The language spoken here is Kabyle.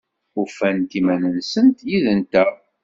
Ufant iman-nsent yid-nteɣ?